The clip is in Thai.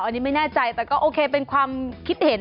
อันนี้ไม่แน่ใจแต่ก็โอเคเป็นความคิดเห็น